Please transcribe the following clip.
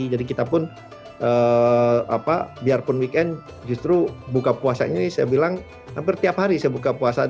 jadi kita pun biarpun weekend justru buka puasanya ini saya bilang hampir tiap hari saya buka puasa